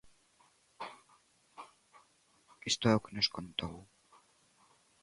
Isto é o que nos contou...